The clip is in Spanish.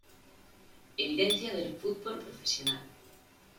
Evidencia del fútbol profesional"".